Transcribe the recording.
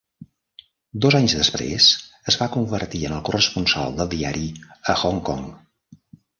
Dos anys després es va convertir en el corresponsal del diari a Hong Kong.